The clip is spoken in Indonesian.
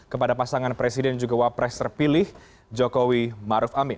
kepada pasangan presiden juga wapres terpilih jokowi maruf amin